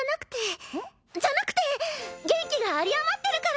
ん？じゃなくて元気があり余ってるから！